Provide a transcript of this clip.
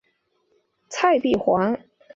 蔡璧煌。